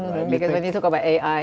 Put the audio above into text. karena ketika kita bicara tentang ai